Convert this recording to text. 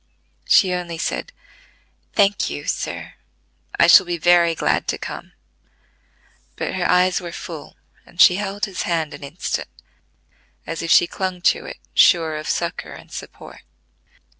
She only said: "Thank you, sir. I shall be very glad to come;" but her eyes were full, and she held his hand an instant, as if she clung to it sure of succor and support.